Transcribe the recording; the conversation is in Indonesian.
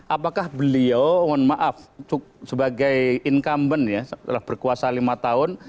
apakah beliau mohon maaf sebagai incumbent ya setelah berkuasa lima tahun